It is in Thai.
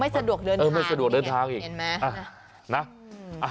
ไม่สะดวกเดินทางไม่สะดวกเดินทางอีกนี่เห็นไหมอ่ะน่ะ